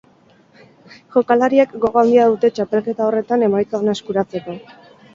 Jokalariek gogo handia dute txapelketa horretan emaitza ona eskuratzeko.